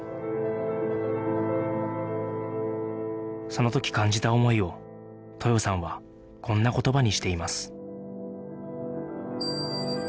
その時感じた思いを豊さんはこんな言葉にしています